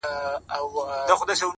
ما په سهار لس رکاته کړي وي’